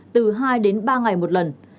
từ hai đến ba ngày một lần